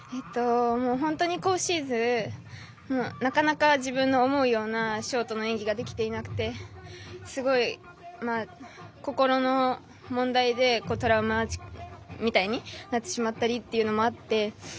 本当に今シーズンなかなか自分の思うようなショートの演技ができていなくてすごい心の問題でトラウマみたいになってしまったりっていうのもあって。